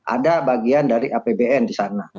ada bagian dari apbn disana